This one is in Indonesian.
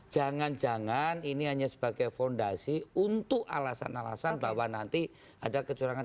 jangan jangan ini hanya sebagai fondasi untuk alasan alasan bahwa nanti ada kecurangan